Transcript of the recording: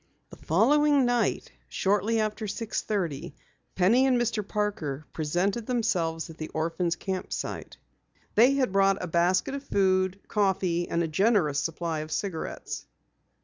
The following night, shortly after six thirty, Penny and Mr. Parker presented themselves at the Orphans' Camp site. They had brought a basket of food, coffee, and a generous supply of cigarettes.